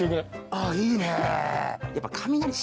ああいいね。